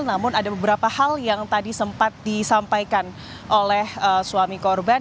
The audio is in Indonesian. namun ada beberapa hal yang tadi sempat disampaikan oleh suami korban